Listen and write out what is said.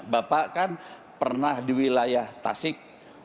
bapak kan pernah di wilayah tasik